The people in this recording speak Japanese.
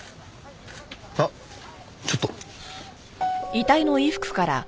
あっちょっと。